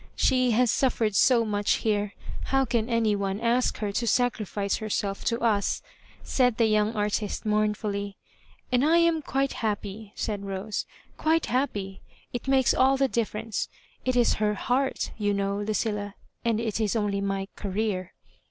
"She has sufi'ered so much here; how can any one ask her to sacrifice herself to us ?" said the young artist, mournfully. " And I am quite happy" said Rose, "quite happy; it makes all the difference. It is her heart, you know, .Lucilla; and' it is only my Career.'